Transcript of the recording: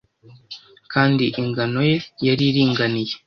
kandi ingano ye yari iringaniye